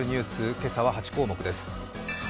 今朝は８項目です。